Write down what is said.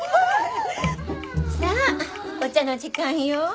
さあお茶の時間よ。